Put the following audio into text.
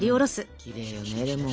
きれいよねレモン